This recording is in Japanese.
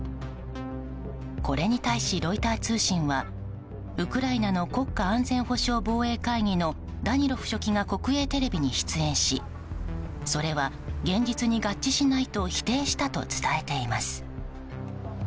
これに対しロイター通信はウクライナの国家安全保障防衛会議のダニロフ書記が国営テレビに出演しそれは現実に合致しないと否定したと伝えています。